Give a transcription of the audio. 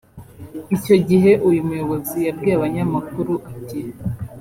Icyo gihe uyu muyobozi yabwiye abanyamakuru ati